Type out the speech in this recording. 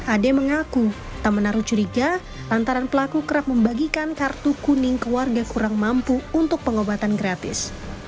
ade mengaku tak menaruh curiga lantaran pelaku kerap membagikan kartu kuning ke warga kurang mampu untuk pengobatan gratis